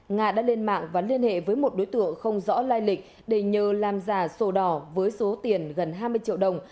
nga đã lên mạng và liên hệ với một đối tượng không rõ lai lịch để nhờ làm giả sổ đỏ với số tiền gần hai mươi triệu đồng